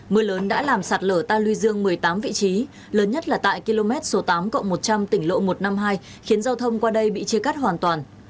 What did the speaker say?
mưa lớn đã làm sạt lở ta lưu dương một mươi tám vị trí lớn nhất là tại km số tám cộng một trăm linh tỉnh lộ một trăm năm mươi hai khiến giao thông qua đây bị chia cắt hoàn toàn